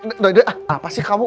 eh doi apa sih kamu